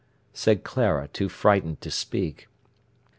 said Clara, too frightened to speak.